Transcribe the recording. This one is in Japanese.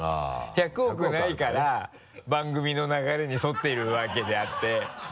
１００億ないから番組の流れに沿っているわけであって。